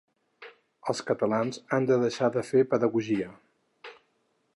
Els catalans han de deixar de fer pedagogia.